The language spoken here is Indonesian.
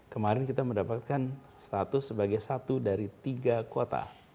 kemarin kita mendapatkan status sebagai satu dari tiga kota